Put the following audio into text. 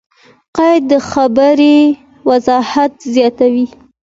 قید؛ د خبري وضاحت زیاتوي.